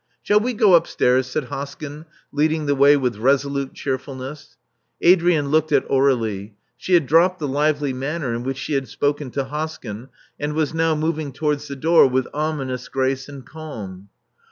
Shall we go upstairs?" said Hoskyn, leading the way with resolute cheerfulness. Adrian looked at Aur^lie. . She had dropped the lively manner in which she had spoken to Hoskyn, and was now moving towards the door with ominous grace and calm.